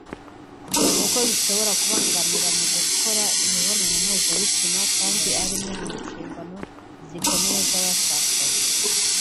kuko bishobora kubabangamira mu gukora imibonano mpuzabitsina kandi ari imwe mu nshingano zikomeye z’abashakanye